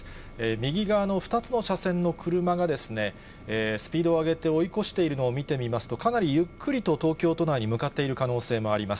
右側の２つの車線の車がスピードを上げて追い越しているのを見てみますと、かなりゆっくりと東京都内に向かっている可能性もあります。